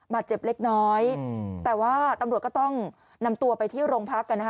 เจ็บเล็กน้อยแต่ว่าตำรวจก็ต้องนำตัวไปที่โรงพักกันนะคะ